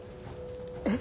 えっ？